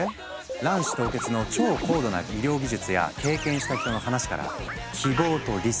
卵子凍結の超高度な医療技術や経験した人の話から希望とリスク